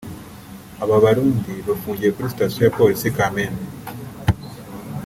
Aba Barundi bafungiye kuri sitasiyo ya Polisi ya Kamembe